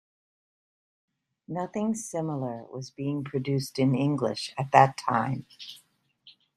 Nothing similar was being produced in English at that time.